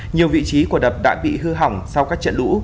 nhiều vị trí của đập đã bị hư hỏng sau các trận lũ